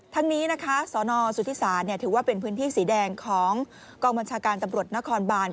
ทั้งนี้นะคะสนสุธิศาสตร์ถือว่าเป็นพื้นที่สีแดงของกองบัญชาการตำรวจนครบาน